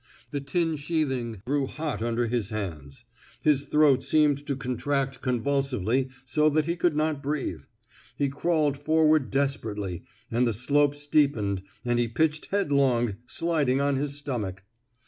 The tin sheathing grew hot under his hands. His throat seemed to contract convulsively so that he could not breathe. He crawled forward desperately, and the slope steepened, and he pitched headlong, sliding on his stomach.